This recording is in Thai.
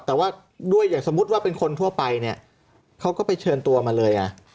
แต่ว่าด้วยอย่างสมมุติว่าเป็นคนทั่วไปเนี่ยเขาก็ไปเชิญตัวมาเลยไง